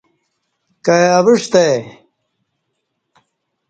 کائی اوعستہ آئی